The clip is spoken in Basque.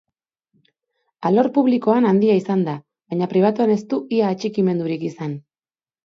Alor publikoan handia izan da, baina pribatuan ez du ia atxikimendurik izan.